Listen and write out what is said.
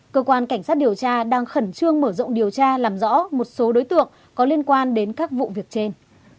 cơ quan cảnh sát điều tra đang khẩn trương mở rộng điều tra làm rõ một số đối tượng có liên quan đến các vụ việc trên